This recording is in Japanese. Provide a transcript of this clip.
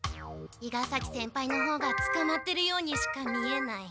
伊賀崎先輩のほうがつかまってるようにしか見えない。